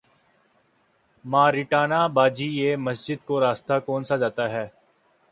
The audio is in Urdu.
مارٹینا باجی یہ مسجد کو راستہ کونسا جاتا ہے